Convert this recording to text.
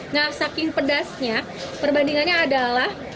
nah saking pedasnya perbandingannya adalah